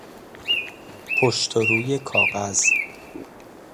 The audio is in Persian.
پشت و روی کاغذ